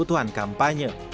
untuk kebutuhan kampanye